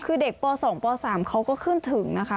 คือเด็กป่าสองป่าสามเขาก็ขึ้นถึงนะคะ